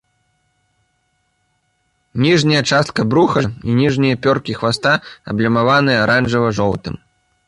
Ніжняя частка бруха і ніжнія пёркі хваста аблямаваныя аранжава-жоўтым.